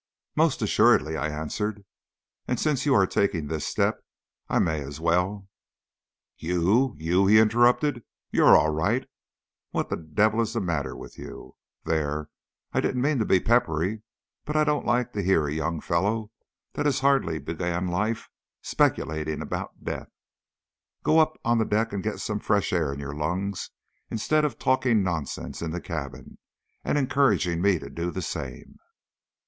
"Most assuredly," I answered; "and since you are taking this step, I may as well" "You! you!" he interrupted. "YOU'RE all right. What the devil is the matter with YOU? There, I didn't mean to be peppery, but I don't like to hear a young fellow, that has hardly began life, speculating about death. Go up on deck and get some fresh air into your lungs instead of talking nonsense in the cabin, and encouraging me to do the same."